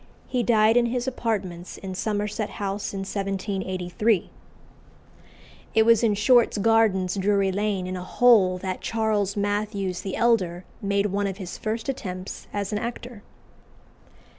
He died in his apartments in Somerset House in 1783. It was in Short's Gardens, Drury Lane, "in a hole," that Charles Mathews the elder made one of his first attempts as an actor.